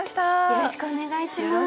よろしくお願いします。